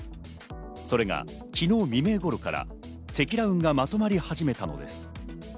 それが昨日未明ごろから積乱雲がまとまり始めたのです。